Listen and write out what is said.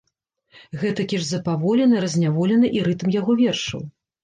Гэтакі ж запаволены, разняволены і рытм яго вершаў.